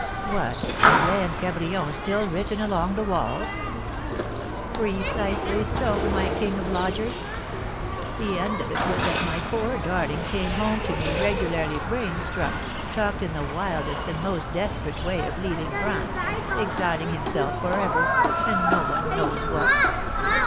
"What, Pipelet and Cabrion still written along the walls?" "Precisely so, my king of lodgers. The end of it was that my poor darling came home to me regularly brain struck, talked in the wildest and most desperate way of leaving France, exiling himself for ever, and no one knows what.